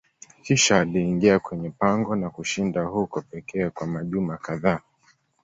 Kisha aliingia kwenye pango na kushinda huko pekee kwa majuma kadhaa.